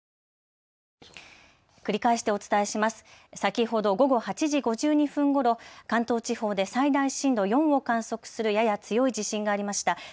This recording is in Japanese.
先ほど午後８時５２分ごろ、関東地方で最大震度４を観測するやや強い地震がありました。